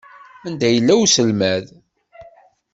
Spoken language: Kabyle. Anda yella uselmad?